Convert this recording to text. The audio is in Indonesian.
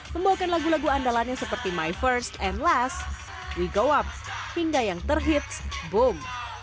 membawakan lagu lagu andalannya seperti my first and last we go up hingga yang terhits boom